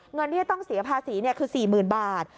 เงินที่จะต้องเสียภาษีคือ๔๐๐๐บาท